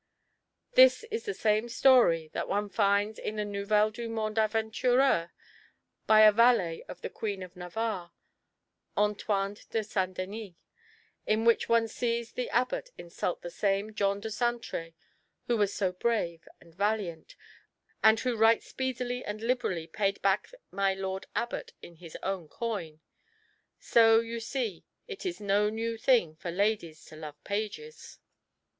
This is the same story that one finds in the Nouvelles du Monde Advantureux by a valet of the Queen of Navarre [Antoine de St. Denis], in which one sees the abbot insult this same John de Saintré who was so brave and valiant, and who right speedily and liberally paid back my lord the abbot in his own coin.... So you see it is no new thing for ladies to love pages.